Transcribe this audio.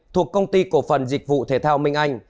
thuộc công ty cổ phần dịch vụ thể thao minh anh